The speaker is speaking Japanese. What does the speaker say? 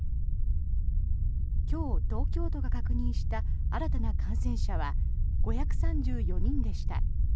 今日、東京都が確認した新たな感染者は５３４人でした。